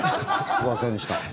すいませんでした。